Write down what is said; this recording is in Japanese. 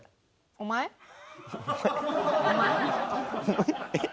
「お前」えっ？